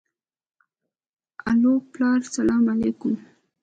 الو پلاره سلام عليک.